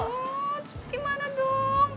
terus gimana dong